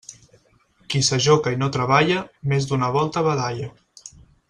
Qui s'ajoca i no treballa, més d'una volta badalla.